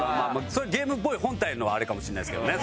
それゲームボーイ本体のあれかもしれないですけどね